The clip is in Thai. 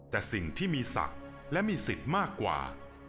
แต่สิ่งที่มีศักดิ์และมีสิทธิ์มากกว่า